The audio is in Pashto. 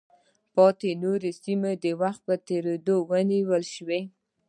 پاتې نورې سیمې د وخت په تېرېدو ونیول شوې.